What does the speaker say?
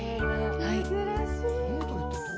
はい。